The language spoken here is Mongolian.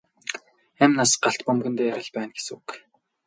Амь нас галт бөмбөгөн дээр байна гэсэн үг.